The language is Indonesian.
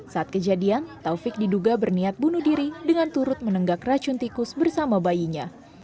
saat kejadian taufik diduga berniat bunuh diri dengan turut menenggak racun tikus bersama bayinya